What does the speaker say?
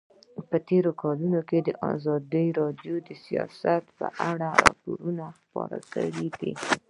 په تېرو کلونو کې ازادي راډیو د سیاست په اړه راپورونه خپاره کړي دي.